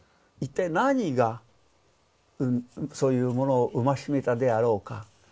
一体何がそういうものを生ましめたであろうか。